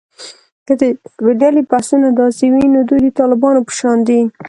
که د یوې ډلې بحثونه داسې وي، نو دوی د طالبانو په شان دي